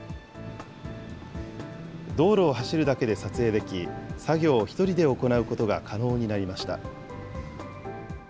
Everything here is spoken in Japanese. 道路を走るだけで撮影でき、作業を１人で行うことが可能になりました。